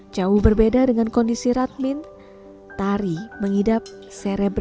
jauh berbeda dengan kondisi radmin tari mengidap serebral palsi